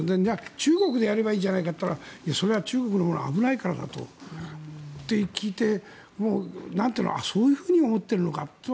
中国でやればいいじゃないかと言ったらそれは中国のものは危ないからだと聞いてそう思ってるのかと。